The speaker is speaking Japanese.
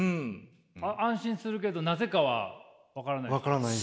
安心するけどなぜかは分からない？